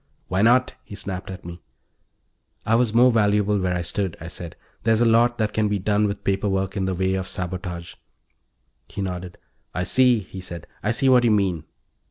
"Why not?" he snapped at me. "I was more valuable where I stood," I said. "There's a lot that can be done with paper work in the way of sabotage." He nodded. "I see," he said. "I see what you mean."